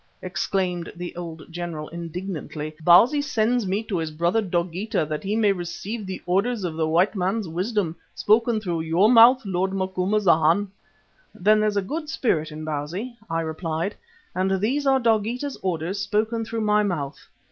exclaimed the old general, indignantly. "Bausi sends me to his brother Dogeetah that he may receive the orders of the white man's wisdom, spoken through your mouth, lord Macumazana." "Then there's a good spirit in Bausi," I replied, "and these are Dogeetah's orders spoken through my mouth.